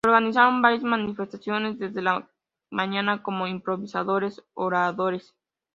Se organizaron varias manifestaciones desde la mañana, con improvisados oradores.